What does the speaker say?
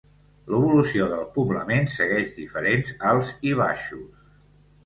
L’evolució del poblament segueix diferents alts i baixos.